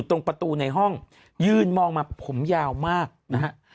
ตรงประตูในห้องยืนมองมาผมยาวมากนะฮะ